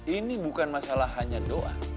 ini bukan masalah hanya doa